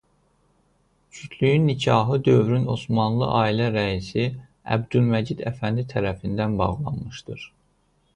Cütlüyün nigahı dövrün Osmanlı ailə rəisi Əbdülməcid Əfəndi tərəfindən bağlanmışdır.